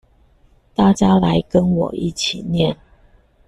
大家來跟我一起念